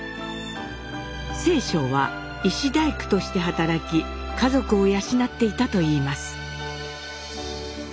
正鐘は石大工として働き家族を養っていたといいます。